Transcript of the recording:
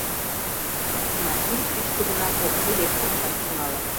— Макси чӱчкыдынак Окси дек кошташ тӱҥалын.